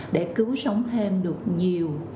để cứu sống thêm được nhiều